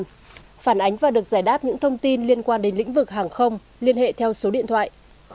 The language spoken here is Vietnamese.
phản ánh và được giải đáp những thông tin liên quan đến lĩnh vực hàng không liên hệ theo số điện thoại